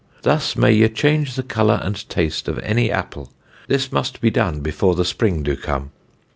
Thus may ye change the colour and taste of any Apple.... This must be done before the Spring do come....